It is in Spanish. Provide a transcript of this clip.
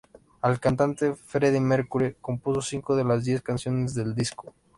El cantante Freddie Mercury compuso cinco de las diez canciones del disco.